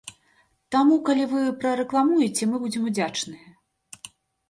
Таму калі вы прарэкламуеце, мы будзем удзячныя.